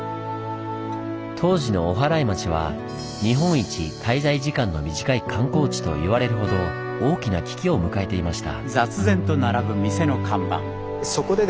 当時のおはらい町は「日本一滞在時間の短い観光地」と言われるほど大きな危機を迎えていました。